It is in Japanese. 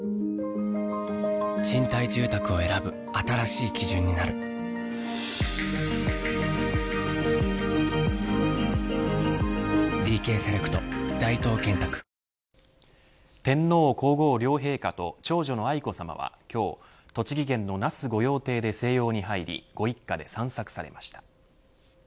いいじゃないだって天皇皇后両陛下と長女の愛子さまは今日、栃木県の那須御用邸で静養に入りご一家で散策されました。